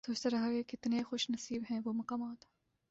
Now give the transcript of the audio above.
سوچتا رہا کہ کتنے خوش نصیب ہیں وہ مقامات